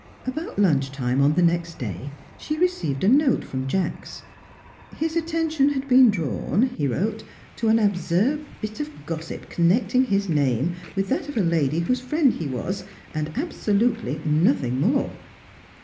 About lunch time on the next day she received a note from Jacks. His attention had been drawn he wrote to an absurd bit of gossip connecting his name with that of a lady whose friend he was, and absolutely nothing more.